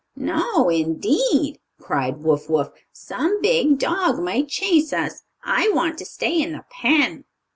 "No, indeed!" cried Wuff Wuff. "Some big dog might chase us. I want to stay in the pen."